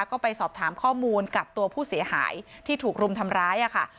ก็ไปสอบถามข้อมูลกับตัวผู้เสียหายที่ถูกรุมทำร้ายค่ะ